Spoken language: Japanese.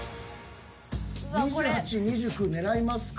２８２９狙いますか？